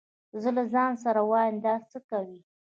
زه له ځان سره وايم دا څه کوي.